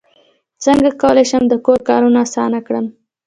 څنګه کولی شم د کور کارونه اسانه کړم